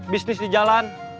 bisnis di jalan